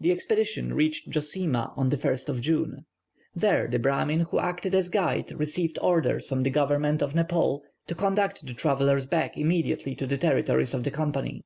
The expedition reached Djosimah on the 1st of June. There the Brahmin who acted as guide received orders from the government of Nepaul, to conduct the travellers back immediately to the territories of the Company.